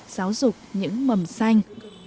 giáo dục những mầm xanh